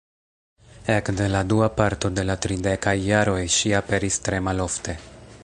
Ekde la dua parto de la tridekaj jaroj ŝi aperis tre malofte.